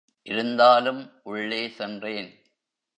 இருந்தாலும் உள்ளே சென்றேன்.